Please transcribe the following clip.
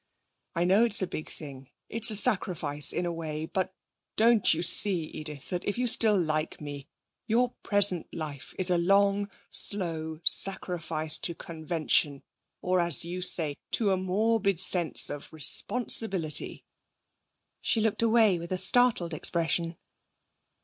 'I know it's a big thing. It's a sacrifice, in a way. But don't you see, Edith, that if you still like me, your present life is a long, slow sacrifice to convention, or (as you say) to a morbid sense of responsibility?' She looked away with a startled expression.